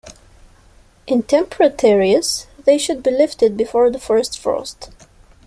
In temperate areas, they should be lifted before the first frost.